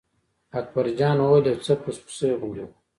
اکبر جان وویل: یو څه پس پسي غوندې و.